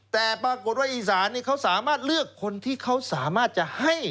แต่ปรากฏว่าอีสานเขาสามารถเลือกคนที่เขาสามารถจะให้